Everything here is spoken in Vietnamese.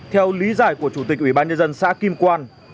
theo lý giải của chủ tịch ủy ban nhân dân xã kim quan